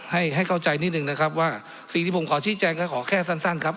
ให้ให้เข้าใจนิดนึงนะครับว่าสิ่งที่ผมขอชี้แจงก็ขอแค่สั้นครับ